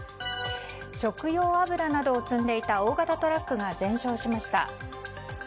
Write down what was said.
食用油などを積んでいた大型トラックが全焼しました。